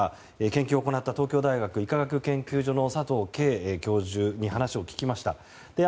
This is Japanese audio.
研究を行った東京大学医科学研究所の佐藤佳教授に話を聞きました。